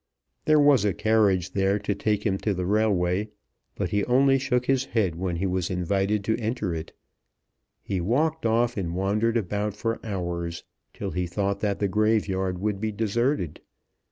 There was a carriage there to take him to the railway, but he only shook his head when he was invited to enter it. He walked off and wandered about for hours, till he thought that the graveyard would be deserted.